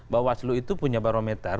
bawaslu itu punya barometer